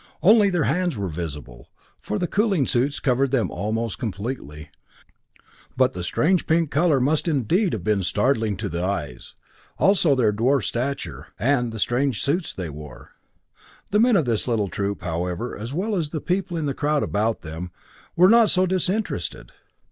Only their hands were visible, for the cooling suits covered them almost completely, but the strange pink color must indeed have been startling to the eyes; also their dwarf stature, and the strange suits they wore. The men of his little troop, however, as well as the people in the crowd about them, were not so disinterested.